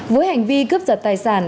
với hành vi cướp giật tài sản